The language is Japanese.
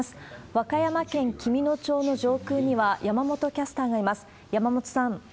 和歌山県紀美野町の上空には、山本キャスターがいます。